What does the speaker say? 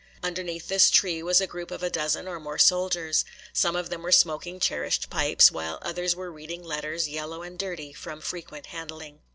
Underneath this tree was a group of a dozen or more soldiers. Some of them were smoking cherished pipes, while others were reading letters, yellow and dirty from frequent handling.